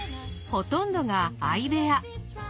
ほとんどが相部屋。